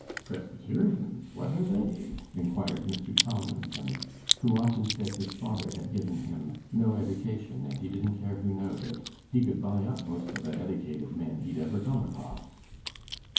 'Presbyterians? what are they?' inquired Mr. Tomlinson, who often said his father had given him 'no eddication, and he didn't care who knowed it; he could buy up most o' th' eddicated men he'd ever come across.